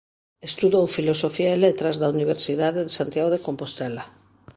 Estudou Filosofía e Letras da Universidade de Santiago de Compostela.